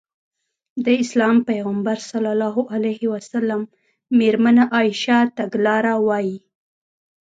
د اسلام پيغمبر ص مېرمنه عايشه تګلاره وايي.